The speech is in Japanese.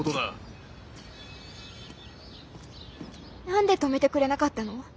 何で止めてくれなかったの？